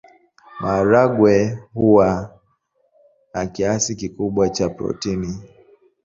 Maharagwe huwa na kiasi kikubwa cha protini.